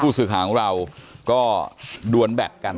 ผู้สืบขาของเราก็ดวนแบตกัน